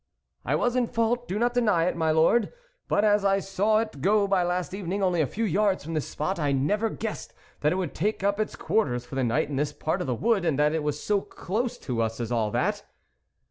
" I was in fault, I do not deny it, my Lord ; but as I saw it go by last evening only a few yards from this spot, I never guessed that it would take up its quarters for the night in this part of the wood and that it was so close to us as all that."